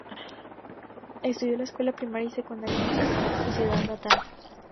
Estudió la escuela primaria y secundaria en su ciudad natal.